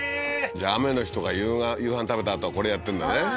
雨の日とか夕飯食べたあとはこれやってんだね